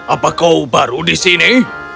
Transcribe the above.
apa kau baru di sini